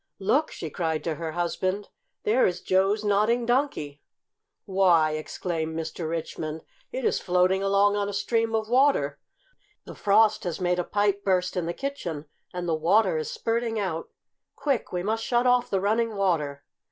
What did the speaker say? "Look!" she cried to her husband. "There is Joe's Nodding Donkey!" "Why!" exclaimed Mr. Richmond, "it is floating along on a stream of water! The frost has made a pipe burst in the kitchen and the water is spurting out! Quick! We must shut off the running water!"